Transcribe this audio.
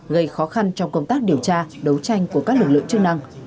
gây khó khăn trong công tác điều tra đấu tranh của các lực lượng chức năng